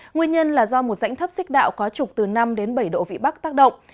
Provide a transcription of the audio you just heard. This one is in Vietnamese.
nguyên nhân là do một dãnh thấp xích đạo có trục từ năm đến bảy độ vị bắc tác động